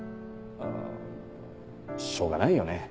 あぁしょうがないよね